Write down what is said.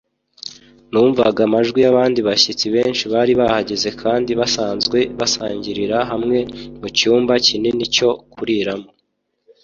Numvaga amajwi yabandi bashyitsi benshi bari bahageze kandi basanzwe basangirira hamwe mucyumba kinini cyo kuriramo